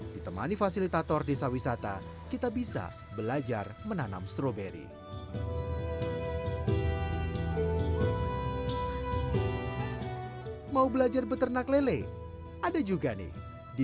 ditemani fasilitator desa wisata kita bisa belajar menanam stroberi di